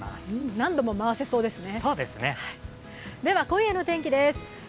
何度も回せそうですね。